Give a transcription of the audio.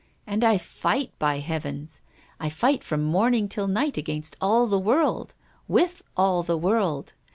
And I fight, by heavens! I fight from morning till night against all the world, with all the world.